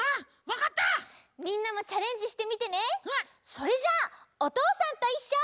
それじゃあ「おとうさんといっしょ」。